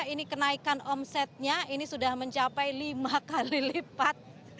ini kenaikan omsetnya ini sudah mencapai lima kali lipat